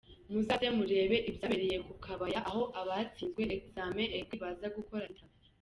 muzaze murebe ibyabereye ku Kabaya aho abatsinzwe examen ecrit baza gukora interview.